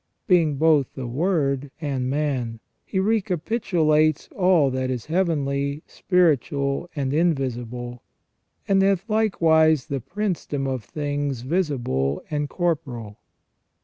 ... Being both the Word and man, He recapitulates all that is heavenly, spiritual, and invisible ; and hath likewise the princedom of things visible and corporal.